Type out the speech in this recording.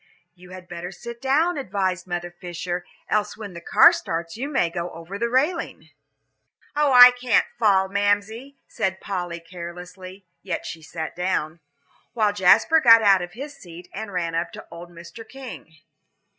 "You had better sit down," advised Mother Fisher, "else when the car starts you may go over the railing." "Oh, I can't fall, Mamsie," said Polly, carelessly, yet she sat down, while Jasper got out of his seat and ran up to old Mr. King.